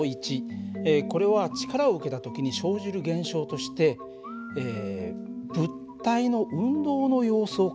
これは力を受けた時に生じる現象として物体の運動の様子を変える。